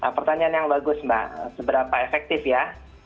pertanyaan yang bagus mbak seberapa efektif ya